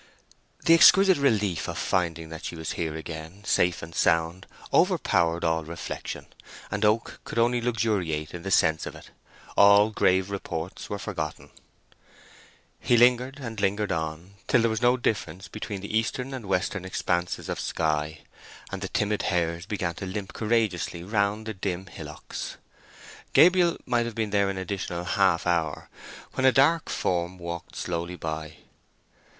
The exquisite relief of finding that she was here again, safe and sound, overpowered all reflection, and Oak could only luxuriate in the sense of it. All grave reports were forgotten. He lingered and lingered on, till there was no difference between the eastern and western expanses of sky, and the timid hares began to limp courageously round the dim hillocks. Gabriel might have been there an additional half hour when a dark form walked slowly by.